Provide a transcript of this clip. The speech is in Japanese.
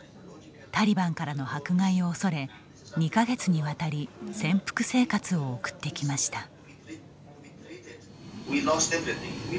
タリバンからの迫害を恐れ２か月にわたり潜伏生活を送ってきました。